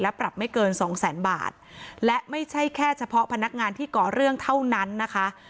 ปรับไม่เกินสองแสนบาทและไม่ใช่แค่เฉพาะพนักงานที่ก่อเรื่องเท่านั้นนะคะ